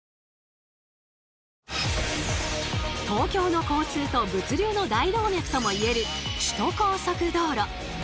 東京の交通と物流の大動脈とも言える首都高速道路。